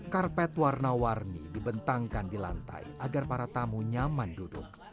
karpet warna warni dibentangkan di lantai agar para tamu nyaman duduk